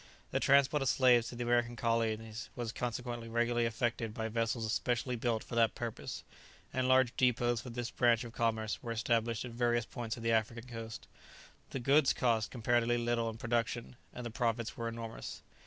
The transport of slaves to the American colonies was consequently regularly effected by vessels specially built for that purpose, and large dépôts for this branch of commerce were established at various points of the African coast. The "goods" cost comparatively little in production, and the profits were enormous.